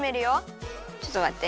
ちょっとまって。